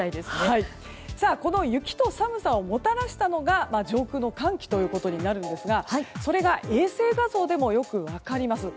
この雪と寒さをもたらしたのが上空の寒気となるんですがそれが衛星画像でもよく分かります。